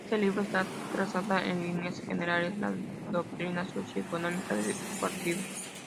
En este libro está trazada, en líneas generales, la doctrina socio-económica de su partido.